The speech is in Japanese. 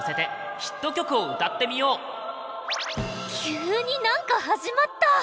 急になんか始まった！